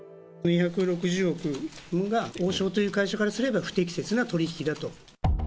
２６０億が、王将という会社からすれば不適切な取り引きだと。